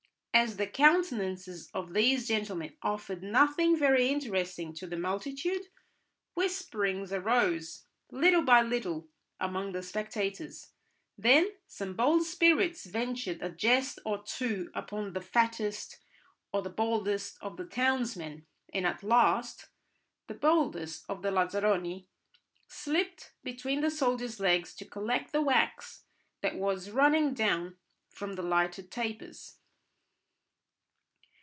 As the countenances of these gentlemen offered nothing very interesting to the multitude, whisperings arose, little by little, among the spectators, then some bold spirits ventured a jest or two upon the fattest or the baldest of the townsmen, and at last the boldest of the lazzaroni slipped between the soldiers' legs to collect the wax that was running down from the lighted tapers.